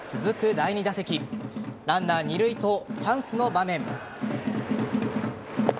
第２打席ランナー二塁とチャンスの場面。